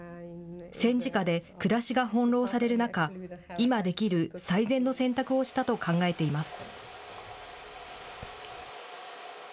戦時下で暮らしが翻弄される中、今できる最善の選択をしたと考えています。